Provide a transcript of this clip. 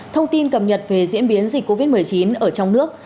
thông tin cập nhật về diễn biến dịch covid một mươi chín ở trong nước